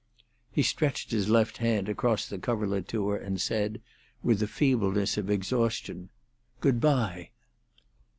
He stretched his left hand across the coverlet to her, and said, with the feebleness of exhaustion, "Good bye.